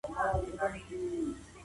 ما پرون د کتابونو لوستل وکړل.